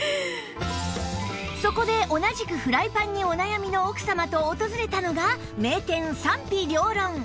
そこで同じくフライパンにお悩みの奥様と訪れたのが名店賛否両論